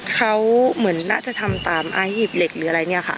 เขาเหมือนน่าจะทำตามไอ้หีบเหล็กหรืออะไรเนี่ยค่ะ